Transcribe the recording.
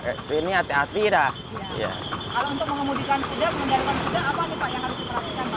kalau untuk mengundurkan kuda mengundurkan kuda apa nih pak yang harus diperhatikan pak